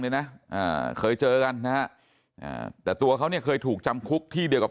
เนี่ยนะอ่าเคยเจอกันนะฮะอ่าแต่ตัวเขาเนี่ยเคยถูกจำคุกที่เดียวกับ